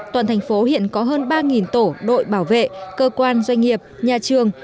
toàn thành phố hiện có hơn ba tổ đội bảo vệ cơ quan doanh nghiệp nhà trường